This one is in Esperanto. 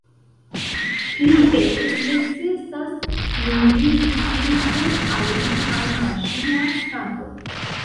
Plie, necesas nuligi ĝin por aliri al maŝina stato.